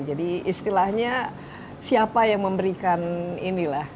jadi istilahnya siapa yang memberikan inilah